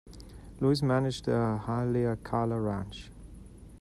Louis managed the Haleakala Ranch.